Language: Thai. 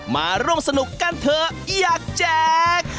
มาร่วมสนุกกันเถอะอยากแจก